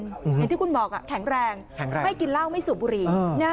อย่างที่คุณบอกแข็งแรงไม่กินเหล้าไม่สูบบุหรี่